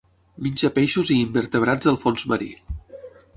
Menja peixos i invertebrats del fons marí.